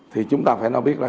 thì chúng ta phải nói biết là